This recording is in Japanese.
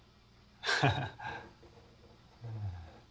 ハハハ。